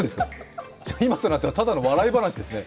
今となってはただの笑い話ですね。